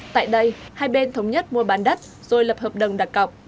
tại đây hai bên thống nhất mua bán đất rồi lập hợp đồng đặc cọc